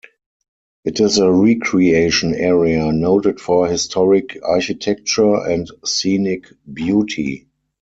It is a recreation area noted for historic architecture and scenic beauty.